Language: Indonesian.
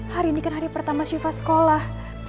hari ini kan hari pertama syifa sekolah